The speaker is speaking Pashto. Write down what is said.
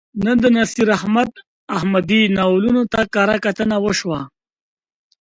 نن د نصیر احمد احمدي ناولونو ته کرهکتنه وشوه.